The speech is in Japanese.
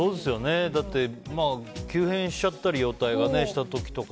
だって、容体が急変しちゃったりした時とか。